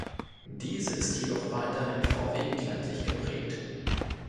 Diese ist jedoch weiterhin vorwiegend ländlich geprägt.